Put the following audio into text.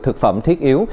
thực phẩm thiết yếu